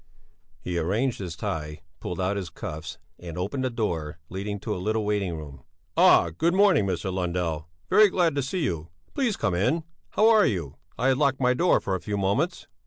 He arranged his tie, pulled out his cuffs and opened the door leading to a little waiting room. "Ah! Good morning, Mr. Lundell! Very glad to see you! Please come in! How are you? I had locked my door for a few moments."